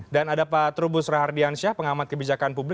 dan ada pak trubus rahardiansyah pengamat kebijakan publik